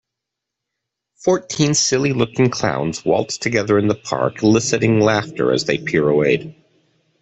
Fourteen silly looking clowns waltzed together in the park eliciting laughter as they pirouetted.